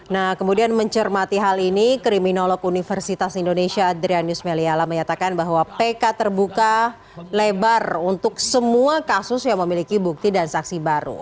nah kemudian mencermati hal ini kriminolog universitas indonesia adrianus meliala menyatakan bahwa pk terbuka lebar untuk semua kasus yang memiliki bukti dan saksi baru